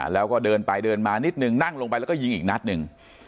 แล้วก็เดินไปเดินมานิดนึงนั่งลงไปแล้วก็ยิงอีกนัดหนึ่ง